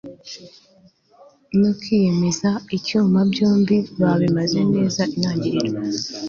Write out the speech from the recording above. no kwiyemeza icyuma, byombi yabibaze neza; intangiriro